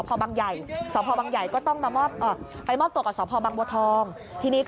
อืมไม่ต้องไม่ต้องรู้ว่ามันเป็นเรื่องส่วนตัวอ่ะพี่